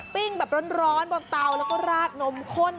ปิ้งแบบร้อนบนเตาแล้วก็ราดนมข้น